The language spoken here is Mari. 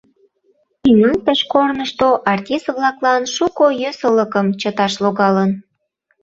Тӱҥалтыш корнышто артист-влаклан шуко йӧсылыкым чыташ логалын.